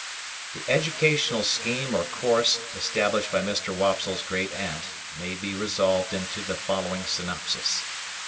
The Educational scheme or Course established by Mr. Wopsle's great aunt may be resolved into the following synopsis.